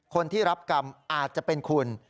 คนที่รับกรรมอาจจะเป็นคุณ